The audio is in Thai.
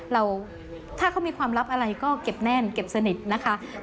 เราถ้าเขามีความลับอะไรก็เก็บแน่นเก็บสนิทนะคะ